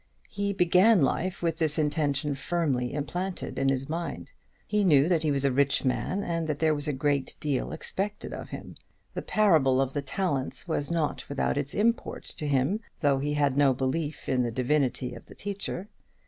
He began life with this intention firmly implanted in his mind. He knew that he was a rich man, and that there was a great deal expected of him. The parable of the Talents was not without its import to him, though he had no belief in the divinity of the Teacher.